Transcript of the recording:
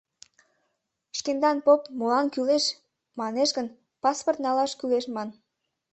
Шкендан поп, «молан кӱлеш?» манеш гын, паспорт налаш кӱлеш, ман.